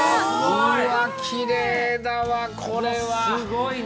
うわきれいだわこれは。すごいな。